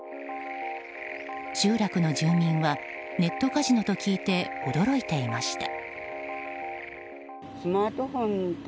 集落の住民はネットカジノと聞いて驚いていました。